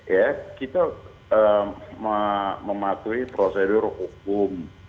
ya kita mematuhi prosedur hukum